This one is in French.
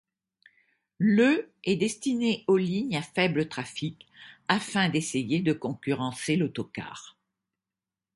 Le est destiné aux lignes à faible trafic afin d'essayer de concurrencer l'autocar.